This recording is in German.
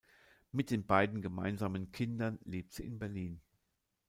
Mit den beiden gemeinsamen Kindern lebt sie in Berlin.